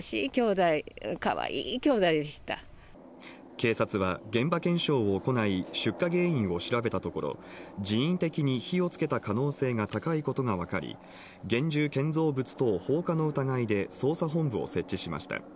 警察は現場検証を行い出火原因を調べたところ人為的に火を付けた可能性が高いことが分かり現住建造物等放火の疑いで捜査本部を設置しました。